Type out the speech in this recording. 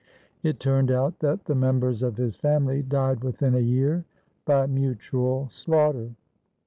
It turned out that the members of his family died within a year by mutual slaughter.